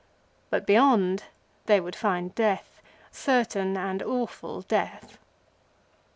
But, beyond, they would find death, certain and awful death.